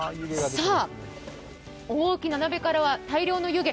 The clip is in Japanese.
大きな鍋からは大量の湯気。